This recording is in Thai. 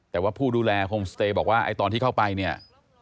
แต่ว่าผู้ดูแลก็บอกว่าตอนที่เข้าไปเนี่ย